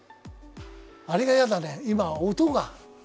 あれが嫌だね、今、音が。